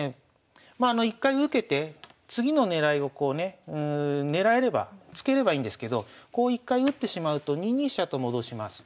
まあ一回受けて次の狙いをこうね狙えれば突ければいいんですけどこう一回打ってしまうと２二飛車と戻します。